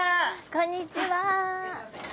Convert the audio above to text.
こんにちは。